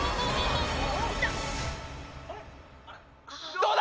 どうだ！？